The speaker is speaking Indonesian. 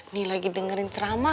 nih lagi dengerin ceramah